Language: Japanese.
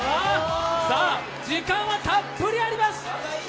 時間はたっぷりあります！